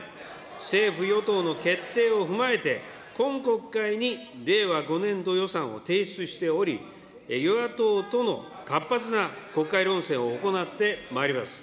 政府・与党の決定を踏まえて、今国会に令和５年度予算を提出しており、与野党との活発な国会論戦を行ってまいります。